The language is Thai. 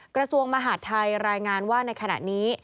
กระทรวงมหาดไทยรายงานว่าในขณะนี้